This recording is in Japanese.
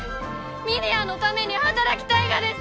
峰屋のために働きたいがです！